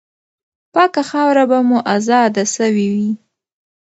پاکه خاوره به مو آزاده سوې وي.